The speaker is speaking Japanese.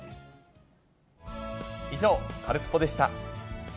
以上、カルスポっ！でした。